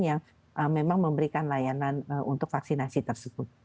yang memang memberikan layanan untuk vaksinasi tersebut